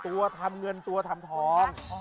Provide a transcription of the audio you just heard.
ตัวทำเงินตัวทำทอง